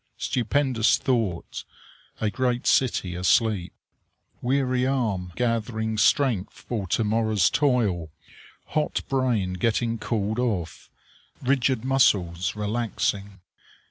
Stupendous thought: a great city asleep! Weary arm gathering strength for to morrow's toil. Hot brain getting cooled off. Rigid muscles relaxing.